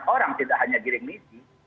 banyak orang tidak hanya giring niji